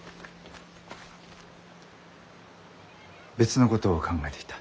別のことを考えていた。